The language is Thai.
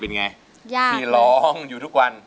แต่เงินมีไหม